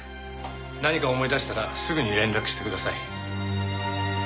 何か思い出したらすぐに連絡してください。